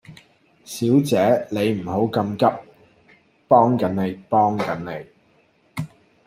小姐你唔好咁急，幫緊你，幫緊你